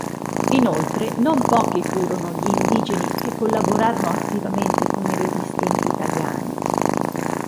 Inoltre, non pochi furono gli indigeni che collaborarono attivamente con i resistenti italiani.